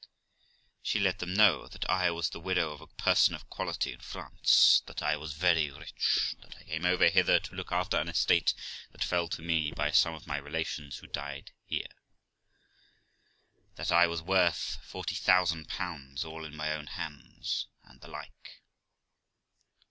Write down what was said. She let them know that I was the widow of a person of quality in France, that I was very rich, that I came over hither to look after an estate that fell to me by some of my relations who died here, that I was worth 40,000, all in my own hands, and the like.